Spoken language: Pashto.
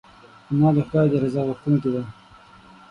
انا د خدای د رضا غوښتونکې ده